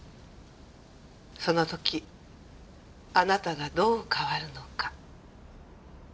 その時あなたがどう変わるのか。